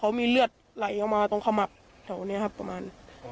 เขามีเลือดไหลออกมาตรงขมับแถวนี้ครับประมาณ